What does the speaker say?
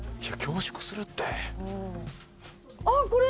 あっこれ！